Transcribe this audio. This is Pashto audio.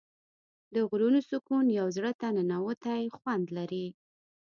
د غرونو سکون یو زړه ته ننووتی خوند لري.